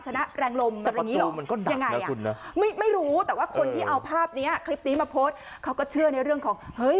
ชนะแรงลมมันก็หนักนะคุณนะไม่รู้แต่ว่าคนที่เอาภาพเนี้ยคลิปนี้มาโพสเค้าก็เชื่อในเรื่องของเห้ย